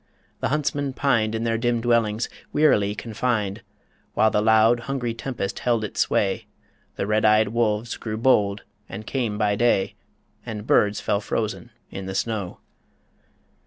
The huntsmen pined In their dim dwellings, wearily confined, While the loud, hungry tempest held its sway The red eyed wolves grew bold and came by day, And birds fell frozen in the snow.